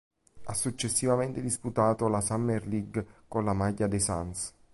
Ha successivamente disputato la Summer League con la maglia dei Suns.